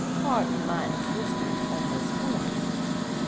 Pardon my insistence on this point.